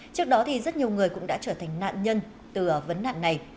trước đó thì rất nhiều người cũng đã trở thành nạn nhân từ vấn nạn này